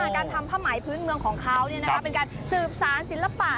การทำผ้าไหมพื้นเมืองของเขาเป็นการสืบสารศิลปะ